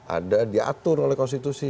ada diatur oleh konstitusi